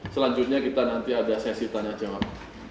selanjutnya kita nanti ada sesi tanya jawab